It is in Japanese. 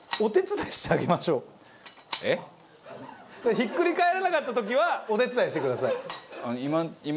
ひっくり返らなかった時はお手伝いしてください。